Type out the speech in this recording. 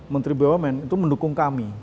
menteri bumn itu mendukung kami